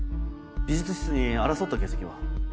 美術室に争った形跡は？